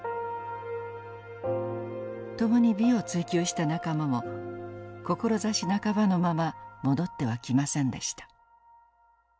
共に美を追求した仲間も志半ばのまま戻っては来ませんでした。